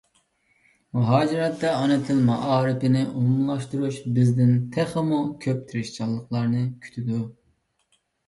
مۇھاجىرەتتە ئانا تىل مائارىپىنى ئومۇملاشتۇرۇش بىزدىن تېخىمۇ كۆپ تىرىشچانلىقلارنى كۈتىدۇ.